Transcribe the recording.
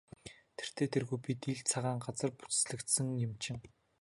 Тэртэй тэргүй бид ил цагаан газар бүслэгдсэн юм чинь.